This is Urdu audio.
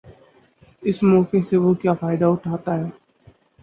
اس موقع سے وہ کیا فائدہ اٹھاتا ہے۔